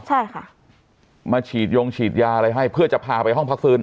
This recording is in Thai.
ใช่ค่ะมาฉีดยงฉีดยาอะไรให้เพื่อจะพาไปห้องพักฟื้น